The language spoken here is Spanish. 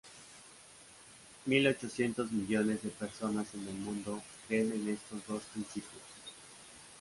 Mil ochocientos millones de personas en el mundo creen en estos dos principios.